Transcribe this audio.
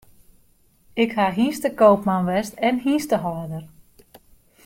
Ik ha hynstekoopman west en hynstehâlder.